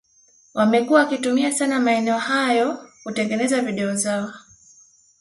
wamekuwa wakitumia sana maeneo ya hayo kutengeneza video zao